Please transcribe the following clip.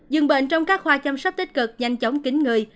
dường bệnh trong các khoa chăm sóc tích cực nhanh chóng kính người